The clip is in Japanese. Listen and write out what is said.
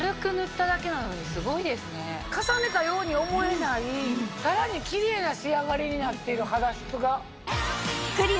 重ねたように思えないさらにキレイな仕上がりになってる肌質が。